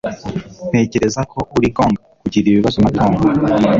Ntekereza ko uri gong kugira ibibazo na Tom.